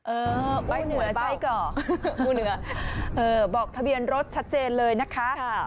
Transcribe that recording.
เออบอกทะเบียนรถชัดเจนเลยนะคะ